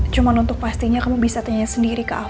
cuma untuk pastinya kamu bisa tanya sendiri kak fani